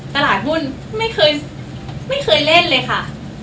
ตลาดหุ้นไม่เคยเล่นเลยค่ะ